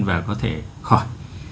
và có thể khỏi